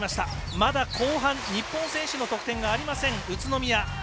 まだ後半日本選手の得点がない宇都宮。